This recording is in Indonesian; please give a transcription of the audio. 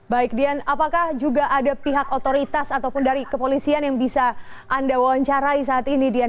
baik dian apakah juga ada pihak otoritas ataupun dari kepolisian yang bisa anda wawancarai saat ini dian